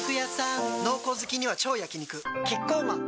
濃厚好きには超焼肉キッコーマン